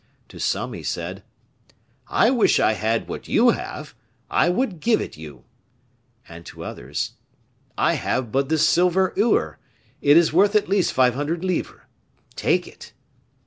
To some he said, "I wish I had what you have; I would give it you." And to others, "I have but this silver ewer; it is worth at least five hundred livres, take it."